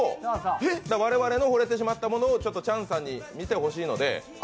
我々のほれてしまったものをチャンさんに見てほしいので。